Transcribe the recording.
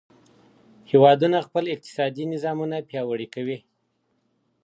هیوادونه خپل اقتصادي نظامونه پیاوړي کوي.